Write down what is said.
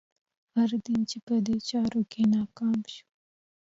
هر دین چې په دې چارو کې ناکامه شو.